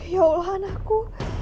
ya allah anakku